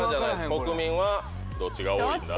国民はどっちが多いんだ。